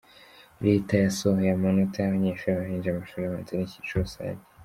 Leta yasohoye amanota y’abanyeshuri barangije amashuri abanza n’icyiciro rusange